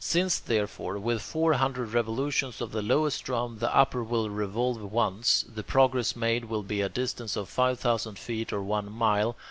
Since, therefore, with four hundred revolutions of the lowest drum, the upper will revolve once, the progress made will be a distance of five thousand feet or one mile.